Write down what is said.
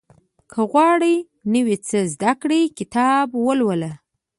• که غواړې نوی څه زده کړې، کتاب ولوله.